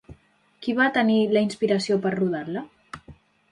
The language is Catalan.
Qui va tenir la inspiració per rodar-la?